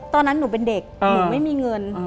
ตอนนั้นหนูเป็นเด็กหนูไม่มีเงิน